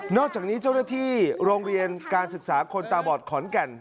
อกจากนี้เจ้าหน้าที่โรงเรียนการศึกษาคนตาบอดขอนแก่น